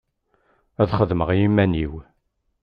Ad xedmeɣ i iman-iw.